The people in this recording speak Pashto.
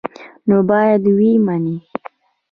نو باید ویې مني.